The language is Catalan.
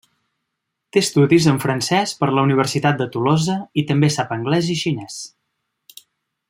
Té estudis en francès per la Universitat de Tolosa i també sap anglès i xinès.